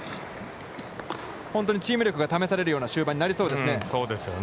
本当にチーム力が試されるような終盤になりそうですね。